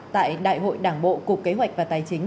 tại đại hội đảng bộ cục kế hoạch và tài chính